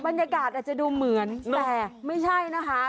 บรรยากาศอาจจะดูเหมือนแต่ไม่ใช่นะคะ